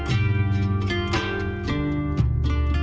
terima kasih pak kei